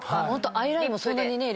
アイラインもそんなにね。